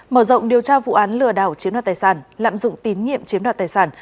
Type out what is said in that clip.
mở rộng điều tra vụ án lừa đảo chiếm đoạt tài sản lạm dụng tín nhiệm chiếm đoạt tài sản